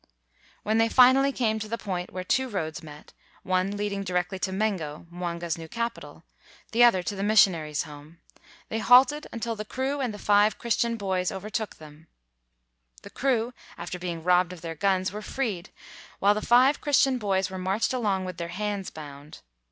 When they finally came to the point where two roads met, one leading directly to Mengo, Mwanga's new capital, the other to 207 WHITE MAN OF WORK the missionaries' home, they halted until the crew and the five Christian boys over took them. The crew, after being robbed of their guns, were freed, while the five Chris tian boys were marched along with their hands bound.